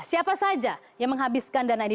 siapa saja yang menghabiskan dana ini